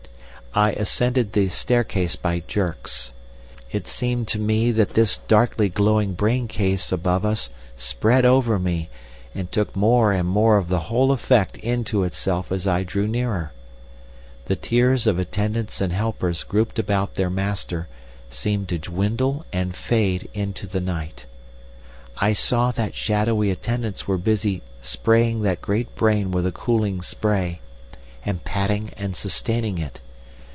"I ascended the staircase by jerks. It seemed to me that this darkly glowing brain case above us spread over me, and took more and more of the whole effect into itself as I drew nearer. The tiers of attendants and helpers grouped about their master seemed to dwindle and fade into the night. I saw that shadowy attendants were busy spraying that great brain with a cooling spray, and patting and sustaining it.